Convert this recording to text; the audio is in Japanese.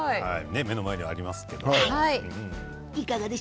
目の前にありますけど。